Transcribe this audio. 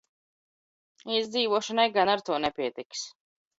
Izdzīvošanai gan ar to nepietiks.